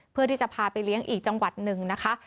เพื่อที่จะพาไปเลี้ยงอีกจังหวัดหนึ่งนะคะ